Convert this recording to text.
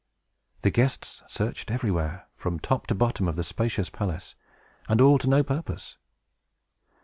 The guests searched everywhere, from top to bottom of the spacious palace, and all to no purpose.